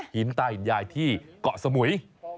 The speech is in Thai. หินตาหินยายที่เกาะสมุย